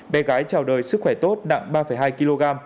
bé gái trào đời sức khỏe tốt nặng ba hai kg